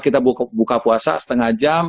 kita buka puasa setengah jam